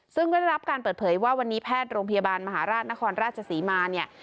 ซึ่งก็ได้รับการเปิดเผยว่าวันนี้แพทย์โรงพยาบาลมหาราชนครราชศรีมาเนี่ย